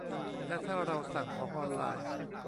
และถ้าเราสั่งของออนไลน์